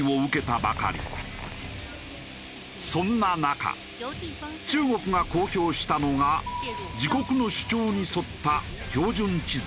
そんな中中国が公表したのが自国の主張に沿った標準地図だ。